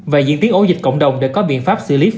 và diễn tiến ổ dịch cộng đồng để có biện pháp xử lý phù hợp